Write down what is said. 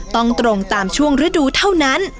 ตรงตามช่วงฤดูเท่านั้น